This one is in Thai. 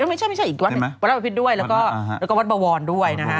ไม่ใช่อีกวัดวัดลาดประพิติด้วยแล้วก็วัดบวรด้วย